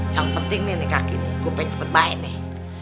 yang penting nih kaki gue cepet main nih